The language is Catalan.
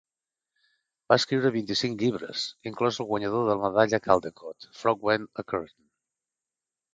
Va escriure vint-i-cinc llibres, inclòs el guanyador de la Medalla Caldecott "Frog Went A-Courtin".